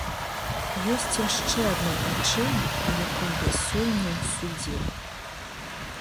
Ёсць яшчэ адна прычына, па якой я сёння ў судзе.